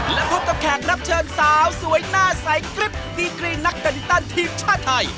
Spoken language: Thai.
และพบกับแขกรับเชิญสาวสวยหน้าใสกริ๊บดีกรีนักแบมินตันทีมชาติไทย